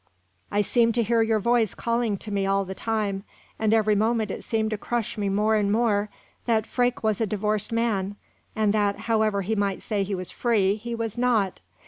I seemed to hear your voice calling to me all the time, and every moment it seemed to crush me more and more that Freke was a divorced man, and that, however he might say he was free, he was not.